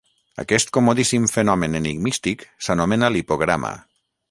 Aquest comodíssim fenomen enigmístic s'anomena lipograma.